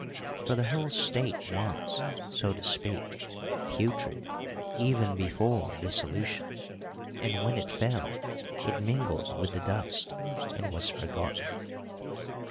For the whole state was, so to speak, putrid even before dissolution, and when it fell it mingled with the dust and was forgotten.